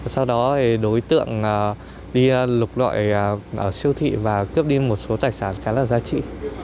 sau đó đối tượng đi lục lọi ở siêu thị và cướp đi một số tài sản khá là giá trị